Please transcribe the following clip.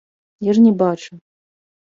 Я ж не бачыў.